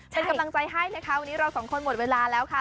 เป็นกำลังใจให้นะคะวันนี้เราสองคนหมดเวลาแล้วค่ะ